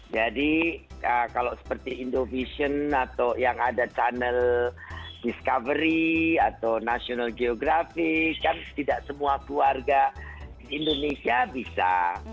jadi kalau seperti indo vision atau yang ada channel discovery atau national geographic kan tidak semua keluarga di indonesia bisa